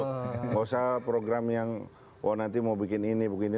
gak usah program yang wah nanti mau bikin ini bikin itu